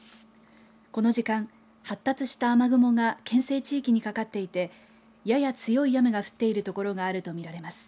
この時間、発達した雨雲が県西地域にかかっていてやや強い雨が降っている所があるとみられます。